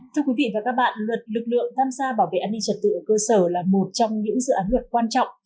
thưa quý vị và các bạn luật lực lượng tham gia bảo vệ an ninh trật tự ở cơ sở là một trong những dự án luật quan trọng